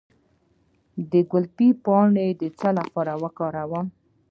د ګلپي پاڼې د څه لپاره وکاروم؟